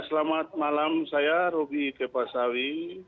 selamat malam saya roby kepasawi